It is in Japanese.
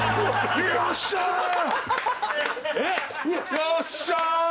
よっしゃー！